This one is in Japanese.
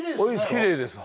きれいです。